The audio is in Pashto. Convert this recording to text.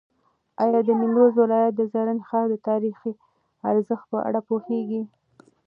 ایا د نیمروز ولایت د زرنج ښار د تاریخي ارزښت په اړه پوهېږې؟